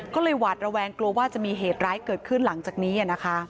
ก็เลยหวาดระแวงกลัวว่าจะมีเหตุร้ายเกิดขึ้นหลังจากนี้นะคะ